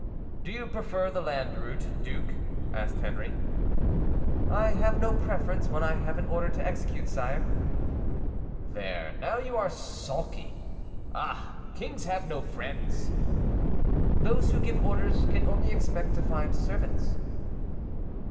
"Do you prefer the land route, duke?" asked Henri. "I have no preference when I have an order to execute, sire." "There, now you are sulky. Ah! kings have no friends." "Those who give orders can only expect to find servants."